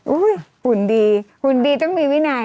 หุ่นดีหุ่นดีต้องมีวินัย